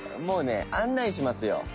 もうね案内しますよ。